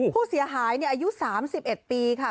ผู้เสียหายอายุ๓๑ปีค่ะ